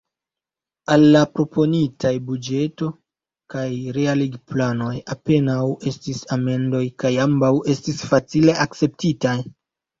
Al la proponitaj buĝeto kaj realigplanoj apenaŭ estis amendoj, kaj ambaŭ estis facile akceptitaj.